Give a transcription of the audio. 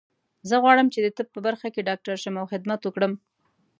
زه غواړم چې د طب په برخه کې ډاکټر شم او خدمت وکړم